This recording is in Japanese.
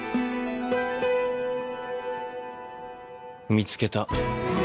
見つけた。